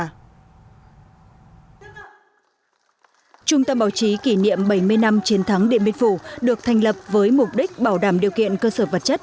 trung tâm báo chí kỷ niệm bảy mươi năm chiến thắng điện biên phủ được thành lập với mục đích bảo đảm điều kiện cơ sở vật chất